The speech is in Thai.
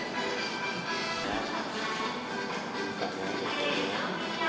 สวัสดีครับ